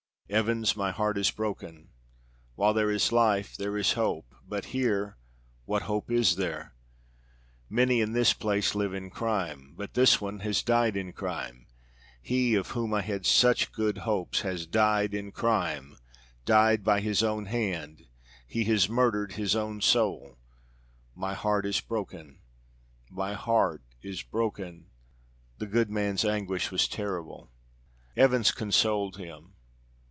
Evans, my heart is broken. While there is life there is hope; but here, what hope is there? Many in this place live in crime, but this one has died in crime; he of whom I had such good hopes has died in crime died by his own hand; he has murdered his own soul; my heart is broken! my heart is broken!" The good man's anguish was terrible. Evans consoled him.